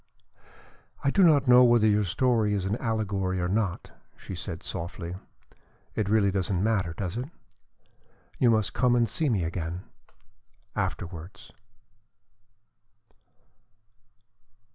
"I do not know whether your story is an allegory or not," she said softly. "It really doesn't matter, does it? You must come and see me again afterwards."